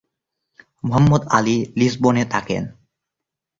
মোহাম্মদ আলী লিসবনে থাকেন।